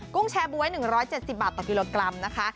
ุ้งแชร์บ๊วย๑๗๐บาทต่อกิโลกรัมนะคะ